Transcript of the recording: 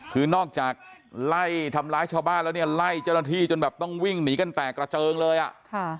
คือนอกจากไล่ทำร้ายชาวบ้านแล้วเนี่ยไล่เจ้าหน้าที่จนแบบต้องวิ่งหนีกันแตกกระเจิงเลยอ่ะค่ะ